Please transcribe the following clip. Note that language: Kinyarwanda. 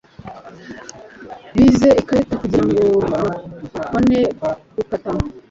Bize ikarita kugirango babone gukata.